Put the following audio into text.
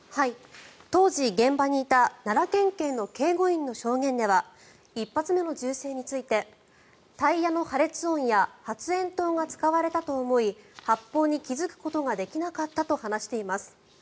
当時、現場にいた奈良県警の警護員の証言では１発目の銃声についてタイヤの破裂音や発煙筒が使われたと思い発砲に気付くことができなかったと話しています。